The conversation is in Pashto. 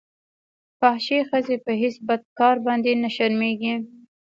فاحشې ښځې په هېڅ بد کار باندې نه شرمېږي.